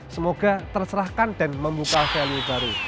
semoga terserahkan dan membuka value baru